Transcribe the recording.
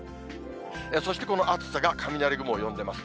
そしてこの暑さが雷雲を呼んでます。